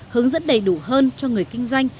hướng dẫn đầy đủ hơn cho người kinh doanh